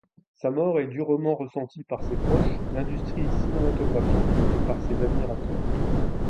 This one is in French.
Sa mort est durement ressentie par ses proches, l’industrie cinématographique et par ses admirateurs.